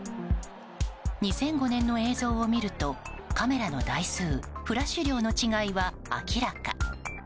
２００５年の映像を見るとカメラの台数フラッシュ量の違いは明らか。